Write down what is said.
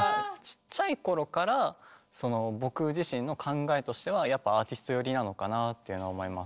ちっちゃい頃から僕自身の考えとしてはやっぱアーティスト寄りなのかなっていうのは思います。